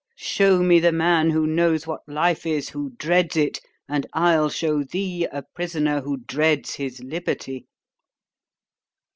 "Shew me the man, who knows what life is, who dreads it, and I'll shew thee a prisoner who dreads his liberty."